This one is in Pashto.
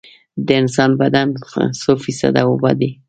د انسان بدن څو فیصده اوبه دي؟